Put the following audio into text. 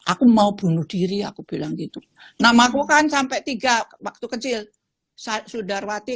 aku mau bunuh diri aku bilang gitu nama aku kan sampai tiga waktu kecil saat sudarwati